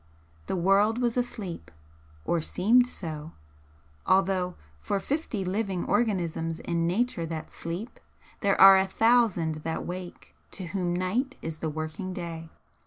The world was asleep or seemed so although for fifty living organisms in Nature that sleep there are a thousand that wake, to whom night is the working day.